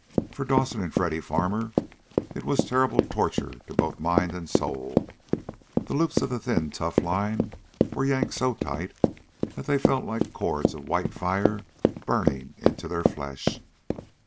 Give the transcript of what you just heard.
For Dawson and Freddy Farmer it was terrible torture to both mind and soul. The loops of the thin, tough line were yanked so tight that they felt like cords of white fire burning into their flesh.